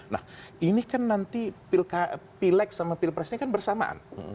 nah ini kan nanti pilek sama pilpresnya kan bersamaan